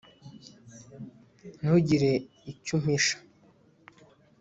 ntugire icyo umpisha